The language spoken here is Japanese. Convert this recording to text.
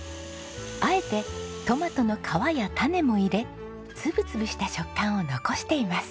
あえてトマトの皮や種も入れつぶつぶした食感を残しています。